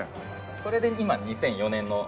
これで今２００４年の。